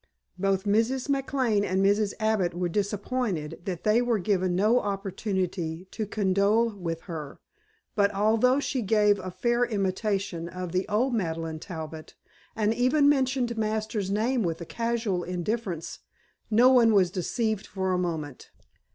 Both Mrs. McLane and Mrs. Abbott were disappointed that they were given no opportunity to condole with her; but although she gave a fair imitation of the old Madeleine Talbot, and even mentioned Masters' name with a casual indifference, no one was deceived for a moment.